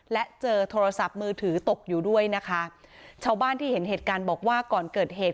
และเจอโทรศัพท์มือถือตกอยู่ด้วยนะคะชาวบ้านที่เห็นเหตุการณ์บอกว่าก่อนเกิดเหตุ